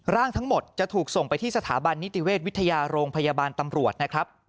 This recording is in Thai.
ร่างทั้งหมดจะถูกส่งไปที่สถาบันนิติเวชวิทยาโรงพยาบาลตำรวจนะครับ